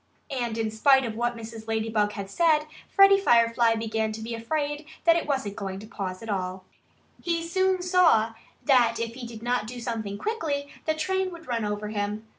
And in spite of what Mrs. Ladybug had said, Freddie Firefly began to be afraid that it wasn't going to pause at all. He soon saw that if he did not do something quickly the train would run over him.